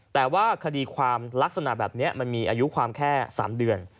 แต่ว่าคดีความลักษณะแบบนี้มันมีอายุความแค่๓เดือน